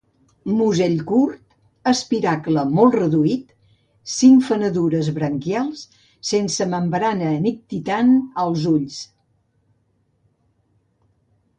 Musell curt, espiracle molt reduït, cinc fenedures branquials, sense membrana nictitant als ulls.